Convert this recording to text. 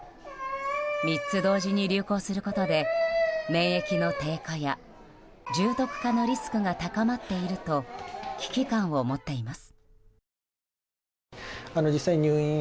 ３つ同時に流行することで免疫の低下や重篤化のリスクが高まっていると危機感を持っています。